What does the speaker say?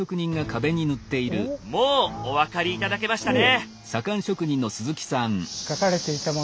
もうお分かり頂けましたね。